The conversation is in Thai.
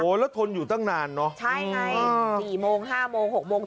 แล้วทนอยู่ตั้งนานเนอะใช่ไงสี่โมงห้าโมงหกโมง